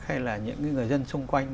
hay là những người dân xung quanh